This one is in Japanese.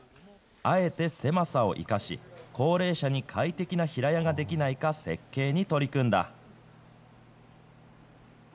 あえて狭さを生かし、高齢者に快適な平屋ができないか設計に取り組んだ。